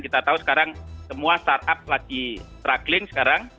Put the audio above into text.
kita tahu sekarang semua startup lagi struggling sekarang